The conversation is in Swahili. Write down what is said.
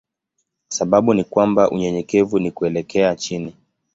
Sababu ni kwamba unyenyekevu ni kuelekea chini.